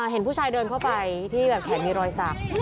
เห็นผู้ชายเดินเข้าไปที่แบบแขนมีรอยสัก